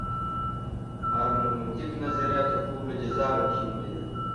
هرمنوتیک نظریه تر ټولو جذابه تیوري ده.